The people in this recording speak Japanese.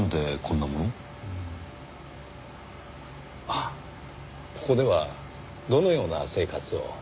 あっここではどのような生活を？